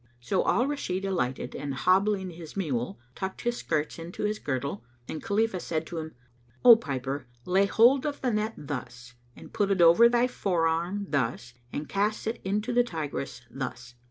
So Al Rashid alighted and hobbling his mule, tucked his skirts into his girdle, and Khalifah said to him, "O piper, lay hold of the net thus and put it over thy forearm thus and cast it into the Tigris thus."